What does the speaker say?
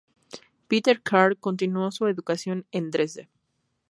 Peter Carl continuó su educación en Dresde.